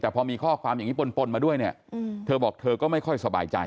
แต่พอมีข้อความอย่างนี้ปนมาด้วยเนี่ยเธอบอกเธอก็ไม่ค่อยสบายใจ